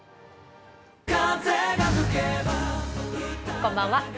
こんばんは。